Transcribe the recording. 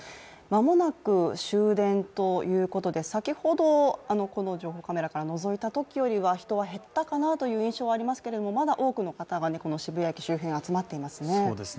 間もなく終電ということで、先ほど情報カメラからのぞいたときよりは人は減ったかなという印象はありますけれどもまだ多くの方が渋谷駅周辺、集まっていますね。